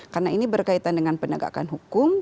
karena ini berkaitan dengan penegakan hukum